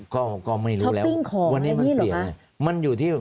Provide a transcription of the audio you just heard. ก็ไม่รู้แล้ววันนี้มันเปลี่ยนไง